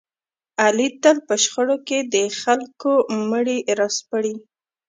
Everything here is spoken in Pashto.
علي تل په شخړو کې د خلکو مړي را سپړي.